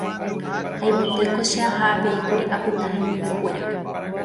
haimetéko che aha avei kuri apyta hendivekuéra